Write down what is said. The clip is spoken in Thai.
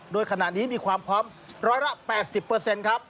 โดยขณะนี้มีความพร้อมร้อยละ๘๐ครับ